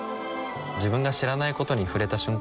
自分が知らないことに触れた瞬間